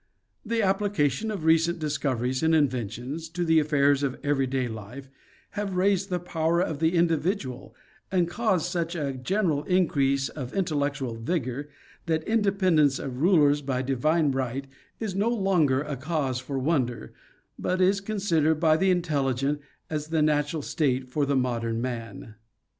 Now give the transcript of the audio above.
'The application of recent discoveriés and inventions, to the affairs of every day life, have raised the power of the individual and caused such a general increase of in tellectual vigor, that independence of rulers by divine right is no longer a cause for wonder, but is considered by the intelligent as the natural state for the modern man.